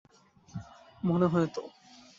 মনে হয় তো।